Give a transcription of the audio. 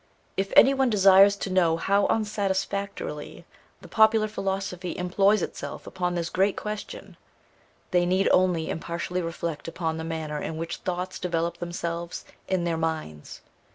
If any one desires to know how unsatisfactorily the popular philosophy employs itself upon this great question, they need only impartially reflect upon the manner in which thoughts develop themselves in their minds.